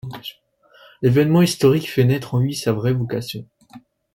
L'événement historique fait naître en lui sa vraie vocation.